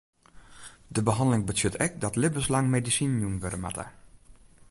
De behanneling betsjut ek dat libbenslang medisinen jûn wurde moatte.